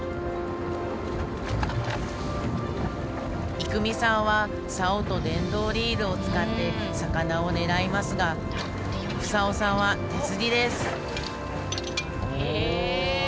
生海さんは竿と電動リールを使って魚を狙いますが房夫さんは手釣りですへえ。